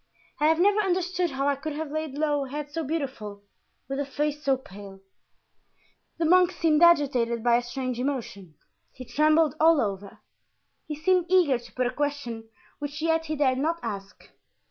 I have never understood how I could have laid low a head so beautiful, with a face so pale." The monk seemed agitated by a strange emotion; he trembled all over; he seemed eager to put a question which yet he dared not ask.